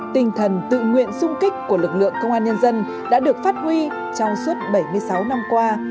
tinh thần tự nguyện sung kích của lực lượng công an nhân dân đã được phát huy trong suốt bảy mươi sáu năm qua